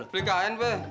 beli kain be